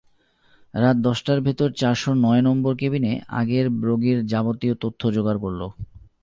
রাত দশটার ভেতর চারশো নয় নম্বর কেবিনে আগের রোগীর যাবতীয় তথ্য জোগাড় করল।